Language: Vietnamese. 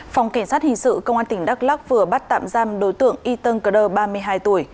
phòng cảnh sát hình sự công an tỉnh đắk lắc vừa bắt tạm giam đối tượng y tân cờ đơ ba mươi hai tuổi